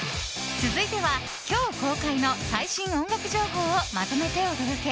続いては、今日公開の最新音楽情報をまとめてお届け。